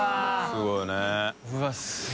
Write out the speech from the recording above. すごいね。